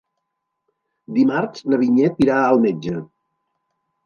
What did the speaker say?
Dimarts na Vinyet irà al metge.